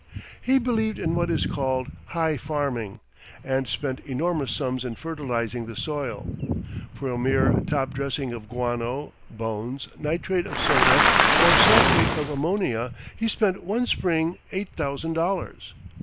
He believed in what is called "high farming," and spent enormous sums in fertilizing the soil. For a mere top dressing of guano, bones, nitrate of soda, or sulphate of ammonia, he spent one spring eight thousand dollars.